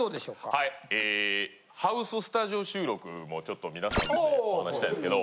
はいえハウススタジオ収録もちょっと皆さんお話ししたいんですけど。